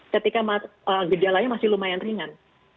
ketika gejalanya masih lumayan ringan